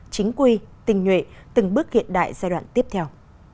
chính quy tình nhuệ từng bước hiện đại giai đoạn tiếp theo